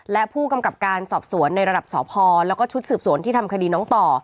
และผู้กำกับการสอบสวนในระดับสพแล้วก็ชุดสืบสวนที่ทำคดีน้องต่อ